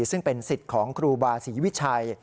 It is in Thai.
ซึ่งเป็นสิทธิ์ของครูบาศรีวิชัย